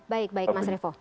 baik baik mas revo